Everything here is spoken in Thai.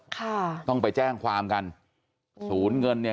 ค่ะต้องไปแจ้งความกันศูนย์เงินเนี่ย